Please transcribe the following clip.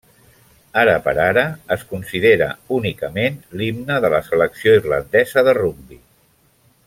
Ara per ara, es considera, únicament, l'himne de la selecció irlandesa de rugbi.